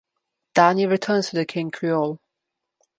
Danny returns to the King Creole.